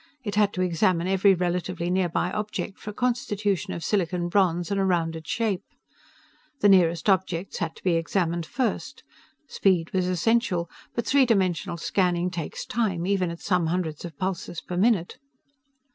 It had to examine every relatively nearby object for a constitution of silicon bronze and a rounded shape. The nearest objects had to be examined first. Speed was essential. But three dimensional scanning takes time, even at some hundreds of pulses per minute.